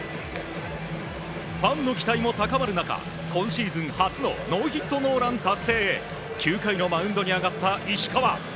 ファンの期待も高まる中今シーズン初のノーヒットノーラン達成へ９回のマウンドに上がった石川。